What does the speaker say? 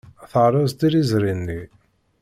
Terreẓ tiliẓri-nni.